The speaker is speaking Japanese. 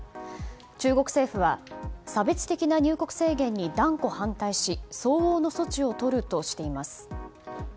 中国政府は差別的な入国制限に断固反対し相応の措置をとるとしています。